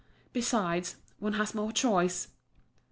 "Besides, one has more choice."